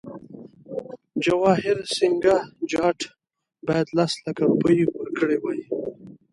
جواهرسینګه جاټ باید لس لکه روپۍ ورکړي وای.